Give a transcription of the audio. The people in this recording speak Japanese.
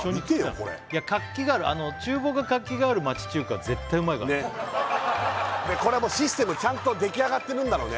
これ活気がある厨房が活気がある町中華は絶対うまいからねっこれはもうシステムちゃんとできあがってるんだろうね